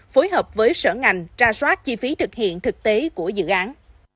phối hợp với sở ngành trà soát chi phí thực hiện thực tế của dự án